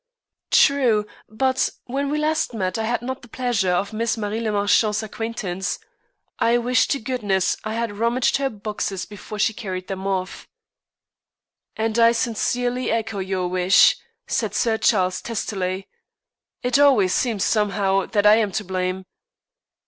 "True, but when we last met I had not the pleasure of Miss Marie le Marchant's acquaintance. I wish to goodness I had rummaged her boxes before she carried them off." "And I sincerely echo your wish," said Sir Charles testily. "It always seems, somehow, that I am to blame."